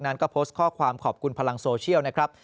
นั้นก็โพสต์ข้อความขอบคุณพลังโซเชียลนะครับ